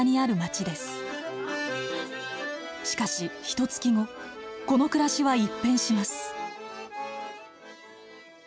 しかしひとつき後この暮らしは一変します。